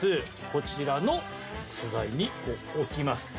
こちらの素材に置きます。